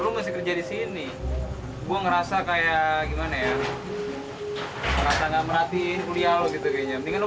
lu masih kerja di sini gua ngerasa kayak gimana ya nggak merhati hati pulia lu gitu